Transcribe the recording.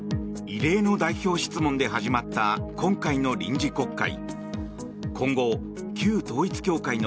異例の代表質問で始まった今回の臨時国会。